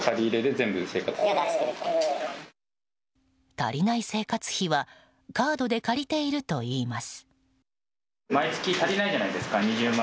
足りない生活費はカードで借りているといいます。